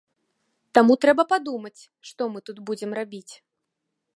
Таму трэба падумаць, што мы тут будзем рабіць.